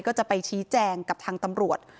ก็จะไปชี้แจงกับทางตำรวจ